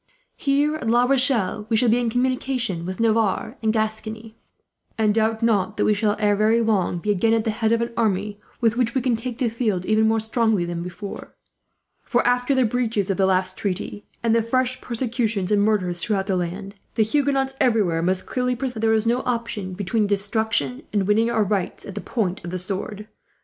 "Here at La Rochelle we shall be in communication with Navarre and Gascony; and doubt not that we shall, ere very long, be again at the head of an army with which we can take the field, even more strongly than before; for after the breaches of the last treaty, and the fresh persecutions and murders throughout the land, the Huguenots everywhere must clearly perceive that there is no option between destruction, and winning our rights at the point of the sword.